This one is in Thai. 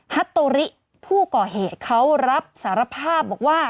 ฮัตโตริผู้ก่อเหตุเขารับสารภาพบอกว่า